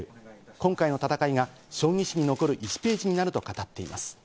今回の戦いが将棋史に残る１ページになると語っています。